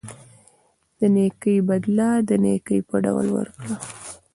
د نیکۍ بدله د نیکۍ په ډول ورکړه.